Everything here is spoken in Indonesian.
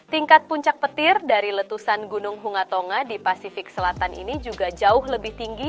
tingkat puncak petir dari letusan gunung hungatonga di pasifik selatan ini juga jauh lebih tinggi